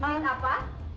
mau yang apa